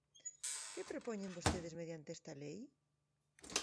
¿Que propoñen vostedes mediante esta lei?